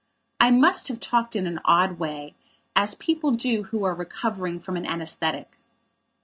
I must have talked in an odd way, as people do who are recovering from an anaesthetic.